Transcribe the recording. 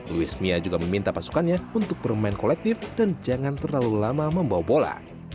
luis mia juga meminta pasukannya untuk bermain kolektif dan jangan terlalu lama membawa bola